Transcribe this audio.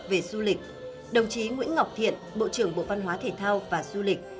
về du lịch đồng chí nguyễn ngọc thiện bộ trưởng bộ văn hóa thể thao và du lịch